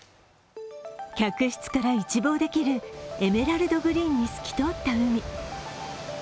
客室から一望できるエメラルドグリーンに透き通った海。